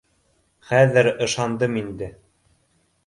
Хәҙер ышандым инде